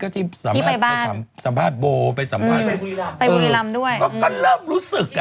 ก็ที่สามารถไปสัมภาษณ์โบไปบุรีรำด้วยก็เริ่มรู้สึกอะ